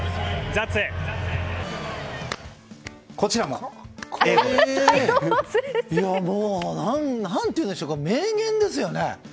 もう何ていうんでしょうか名言ですよね。